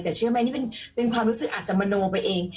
แต่เชื่อไหมนี่เป็นความรู้สึกอาจจะมโนไปเอง